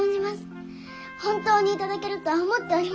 本当に頂けるとは思っておりませんでした！